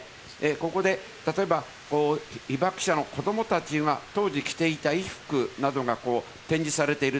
ここで例えば被爆者の子供たちが当時着ていた衣服などが展示されている。